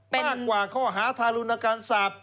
มากกว่าข้อห้าธารุณกรรมสัตว์